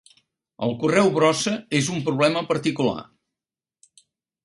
El correu brossa és un problema particular.